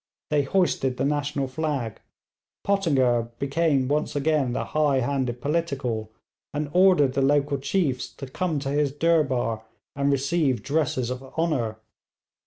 They hoisted the national flag; Pottinger became once again the high handed 'political,' and ordered the local chiefs to come to his durbar and receive dresses of honour.